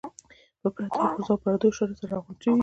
په پردو پرزو او پردو اشارو سره راغونډې شوې دي.